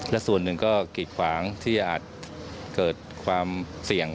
และส่วนหนึ่งก็กิดขวางที่จะอาจเกิดความเสี่ยง